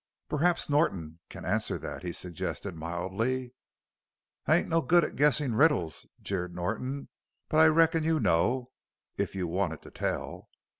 "Perhaps Norton can answer that?" he suggested mildly. "I ain't no good at guessin' riddles," jeered Norton. "But I reckon you know if you wanted to tell."